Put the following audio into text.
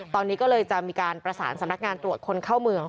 ตอนนี้ก็เลยจะมีการประสานสำนักงานตรวจคนเข้าเมือง